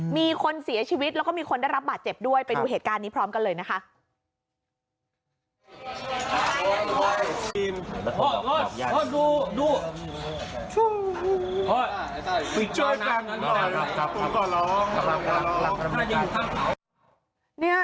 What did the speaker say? มีคนเสียชีวิตแล้วก็มีคนได้รับบาดเจ็บด้วยไปดูเหตุการณ์นี้พร้อมกันเลยนะคะ